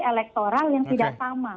elektoral yang tidak sama